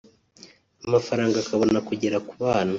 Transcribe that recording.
amafaranga akabona kugera ku bana